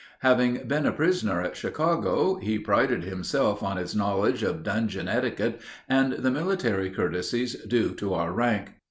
Having been a prisoner at Chicago, he prided himself on his knowledge of dungeon etiquette and the military courtesies due to our rank.